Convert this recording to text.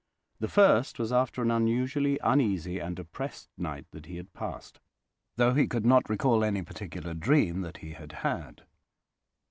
The first was after an unusually uneasy and oppressed night that he had passed—though he could not recall any particular dream that he had had.